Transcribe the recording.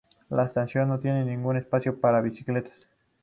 La estación no tiene ningún espacio para bicicletas.